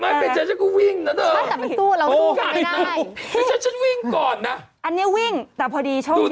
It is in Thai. ไม่เป็นเจ้าก็วิ่งนะเถอะ